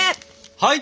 はい！